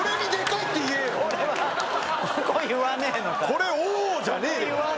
これ「おお」じゃねえよ。